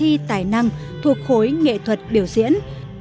các cuộc thi tài năng thuộc khối nghệ thuật biểu diễn